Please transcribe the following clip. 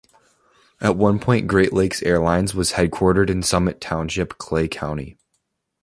At one point Great Lakes Airlines was headquartered in Summit Township, Clay County.